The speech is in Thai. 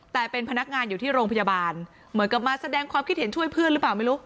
แต่เป็นพนักงานอยู่ที่โรงพยาบาลเหมือนกับมาแสดงความคิดเห็นช่วยเพื่อนหรือเปล่าไม่รู้